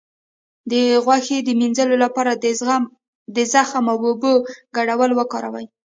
د غوسې د مینځلو لپاره د زغم او اوبو ګډول وکاروئ